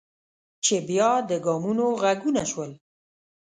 چې بیا د ګامونو غږونه شول.